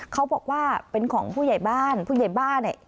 เขาบอกว่าเป็นของผู้ใหญ่บ้านผู้ใหญ่บ้านเนี่ย